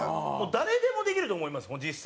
誰でもできると思います、実際。